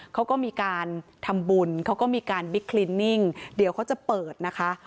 เขาก็มีการทำบุญเขาก็มีการบิ๊กคลินนิ่งเดี๋ยวเขาจะเปิดนะคะ